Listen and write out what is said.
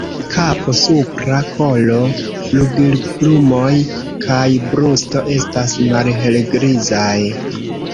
Kapo, supra kolo, flugilplumoj kaj brusto estas malhelgrizaj.